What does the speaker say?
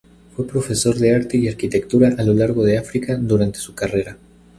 Fue profesor de arte y arquitectura a lo largo de África durante su carrera.